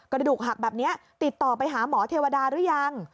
กระดูกหักแบบนี้ติดต่อไปหาหมอเทวดาหรือยัง